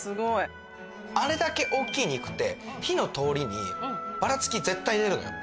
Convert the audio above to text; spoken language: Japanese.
あれだけ大きい肉って火の通りにバラつき絶対出るのよ。